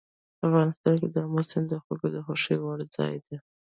افغانستان کې آمو سیند د خلکو د خوښې وړ ځای دی.